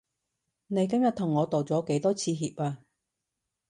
你今日同我道咗幾多次歉啊？